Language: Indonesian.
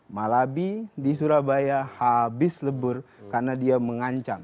malabi di surabaya habis lebur karena dia mengancam